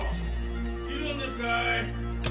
いるんですかい？